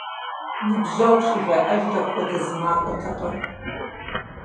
Ныбжьэгъу щӀыжаӀэжыр апхуэдэ зы махуэтэкъэ?!